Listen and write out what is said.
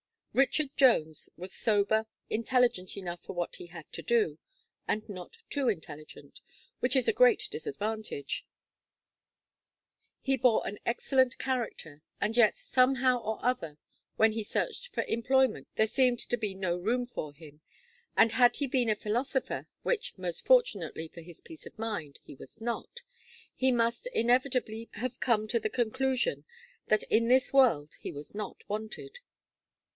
Richard Jones was sober, intelligent enough for what he had to do, and not too intelligent which is a great disadvantage; he bore an excellent character; and yet, somehow or other, when he searched for employment, there seemed to be no zoom for him; and had he been a philosopher, which, most fortunately for his peace of mind, he was not, he must inevitably hare come to the conclusion, that in this world he was not wanted.